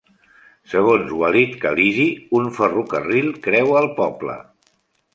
Segons Walid Khalidi, un ferrocarril creua el poble.